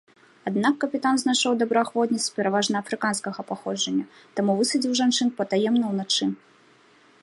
Аднак капітан знайшоў добраахвотніц пераважна афрыканскага паходжання, таму высадзіў жанчын патаемна ўначы.